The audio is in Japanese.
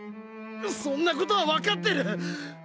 そんなことは分かってる！